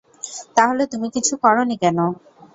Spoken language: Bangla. তাহলে তুমি কিছু করো নি কেন?